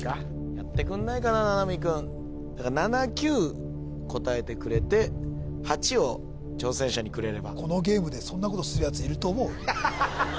やってくんないかな七海君７９答えてくれて８を挑戦者にくれればこのゲームでそんなことするやついると思う？